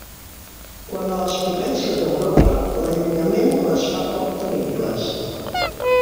Quant a les potències d'Europa, l'allunyament les fa poc temibles.